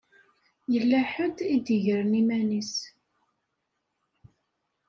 Yella ḥedd i d-igren iman-is.